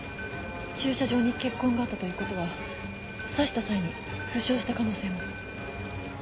駐車場に血痕があったということは刺した際に負傷した可能性も。